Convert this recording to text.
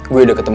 gue udah ketemu